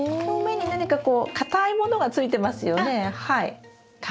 表面に何かこう硬いものがついてますよね。